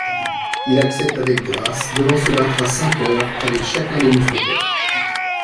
Il accepte avec grâce, devant se battre à cinq heures avec chacun des Mousquetaires.